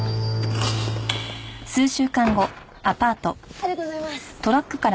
ありがとうございます。